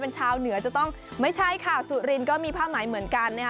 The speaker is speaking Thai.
เป็นชาวเหนือจะต้องไม่ใช่ค่ะสุรินทร์ก็มีผ้าไหมเหมือนกันนะคะ